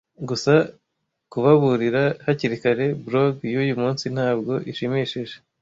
Gusa kubaburira hakiri kare, blog yuyu munsi ntabwo ishimishije.